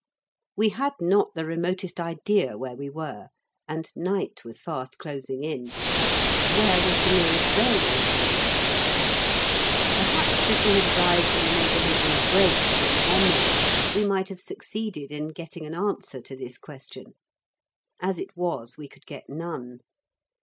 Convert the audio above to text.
We had not the remotest idea where we were, and night was fast closing in. Where was the nearest railway station? Perhaps if we had arrived in the neighbourhood in a brake or an omnibus, we might have succeeded in getting an answer to this question. As it was, we could get none.